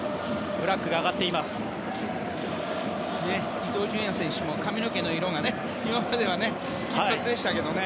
伊東純也選手、髪の毛の色も今までは金髪でしたけどね。